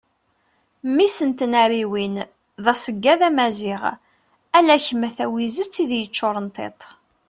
mmi-s n tnariwin d aseggad amaziɣ ala kem a tawizet i d-yeččuren tiṭ